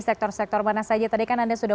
sektor sektor mana saja tadi kan anda sudah